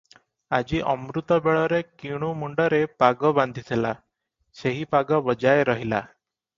ଆଜି ଅମୃତବେଳରେ କିଣୁ ମୁଣ୍ଡରେ ପାଗ ବାନ୍ଧିଥିଲା, ସେହି ପାଗ ବଜାଏ ରହିଲା